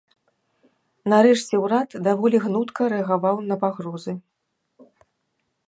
Нарэшце, урад даволі гнутка рэагаваў на пагрозы.